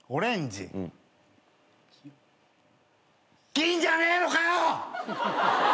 銀じゃねえのかよ！